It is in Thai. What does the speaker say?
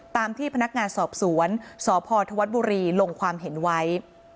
ตามที่พนักงานสอบสวนสพธวัฒน์บุรีลงความเห็นไว้